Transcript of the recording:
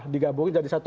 digabungin jadi satu